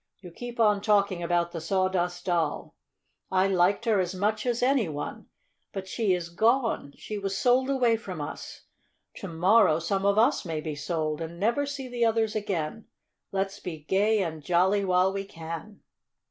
You keep on talking about the Sawdust Doll. I liked her as much as any one. But she is gone she was sold away from us. To morrow some of us may be sold, and never see the others again. Let's be gay and jolly while we can!"